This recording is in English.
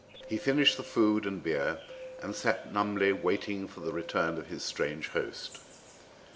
He finished the food and beer and sat numbly waiting for the return of his strange host.